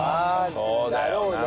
そうだよな。